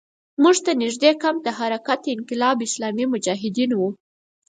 موږ ته نږدې کمپ د حرکت انقلاب اسلامي مجاهدینو وو.